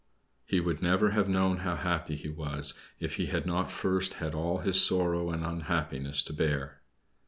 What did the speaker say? He would never have known how happy he was if he had not first had all his sorrow and unhappiness to bear.